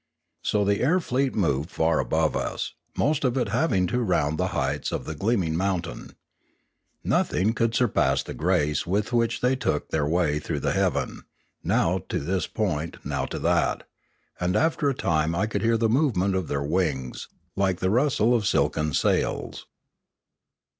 So the air fleet moved far above us, most of it having to round the heights of the gleam ing mountain. Nothing could surpass the grace with which they took their way through the heaven, now to this point, now to that; and after a time I could hear the movement of their wings, like the rustle of silken sails.